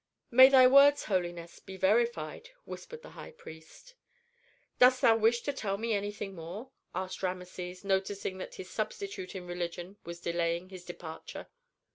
"May thy words, holiness, be verified," whispered the high priest. "Dost thou wish to tell me anything more?" asked Rameses, noticing that his substitute in religion was delaying his departure.